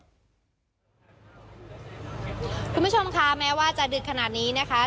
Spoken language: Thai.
คุณผู้ชมค่ะแม้ว่าจะดึกขนาดนี้นะคะ